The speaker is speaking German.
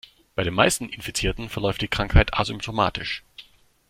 Bei den meisten Infizierten verläuft die Krankheit asymptomatisch.